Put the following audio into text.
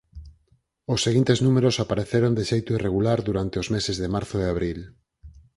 Os seguintes números apareceron de xeito irregular durante os meses de marzo e abril.